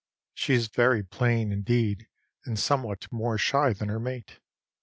She is very plain, indeed, and somewhat more shy than her mate.